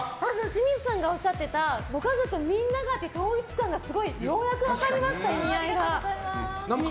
清水さんがおっしゃってたご家族みんながっていう統一感がようやく分かりました意味合いが。